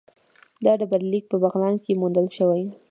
دا ډبرلیک په بغلان کې موندل شوی